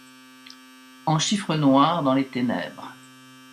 En chiffres noirs dans les ténèbres